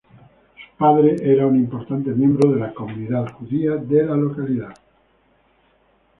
Su padre era un importante miembro de la comunidad judía de la localidad.